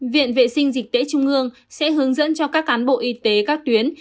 viện vệ sinh dịch tễ trung ương sẽ hướng dẫn cho các cán bộ y tế các tuyến